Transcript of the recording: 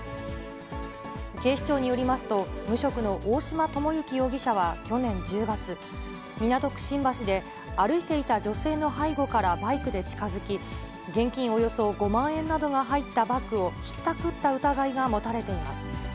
警視庁によりますと、無職の大島智幸容疑者は去年１０月、港区新橋で、歩いていた女性の背後からバイクで近づき、現金およそ５万円などが入ったバッグをひったくった疑いが持たれています。